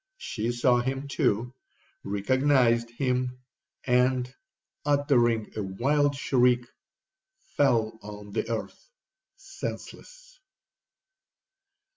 She saw him too, recognized him, and, uttering a wild shriek, fell on the earth senseless.